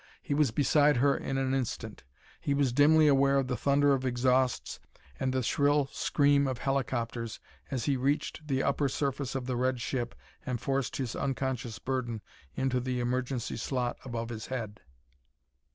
He was beside her in an instant. He was dimly aware of the thunder of exhausts and the shrill scream of helicopters as he reached the upper surface of the red ship and forced his unconscious burden into the emergency slot above his head.